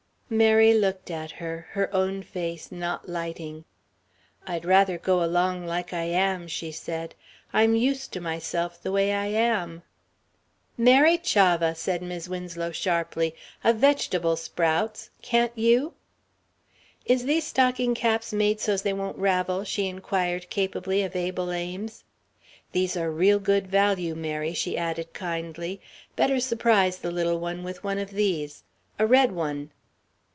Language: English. Mary looked at her, her own face not lighting. "I'd rather go along like I am," she said; "I'm used to myself the way I am." "Mary Chavah!" said Mis' Winslow, sharply, "a vegetable sprouts. Can't you? Is these stocking caps made so's they won't ravel?" she inquired capably of Abel Ames. "These are real good value, Mary," she added kindly. "Better su'prise the little thing with one of these. A red one."